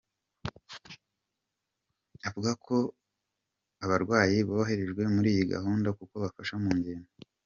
Avuga kandi ko abarwayi boroherejwe muri iyi gahunda kuko babafasha mu ngendo.